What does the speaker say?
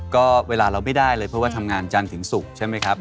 ก็เวลาเราไม่ได้เลยเพราะว่าทำงานจันทร์ถึงศุกร์ใช่ไหมครับ